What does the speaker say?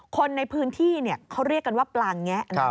คนในพื้นที่เขาเรียกกันว่าปลาแงะ